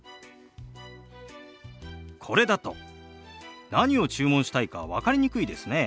これだと何を注文したいか分かりにくいですね。